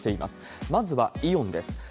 まずはイオンです。